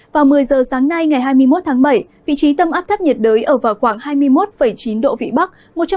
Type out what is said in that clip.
vào một mươi giờ sáng nay ngày hai mươi một tháng bảy vị trí tâm áp thấp nhiệt đới ở vào khoảng hai mươi một chín độ vĩ bắc